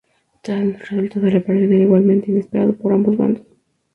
Tal resultado de la operación era igualmente inesperado por ambos bandos.